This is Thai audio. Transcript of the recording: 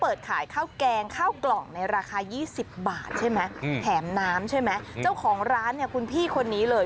ราคา๒๐บาทใช่ไหมแถมน้ำใช่ไหมเจ้าของร้านคุณพี่คนนี้เลย